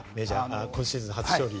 今シーズン初勝利。